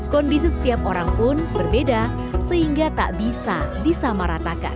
kondisi setiap orang pun berbeda sehingga tak bisa disamaratakan